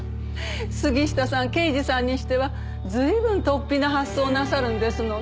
杉下さん刑事さんにしては随分突飛な発想をなさるんですのね。